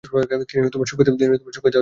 তিনি সুখ্যাতি অর্জন করেন।